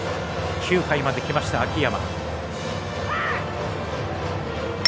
９回まできました、秋山。